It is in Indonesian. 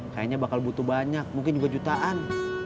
kayaknya bakal butuh banyak mungkin juga jutaan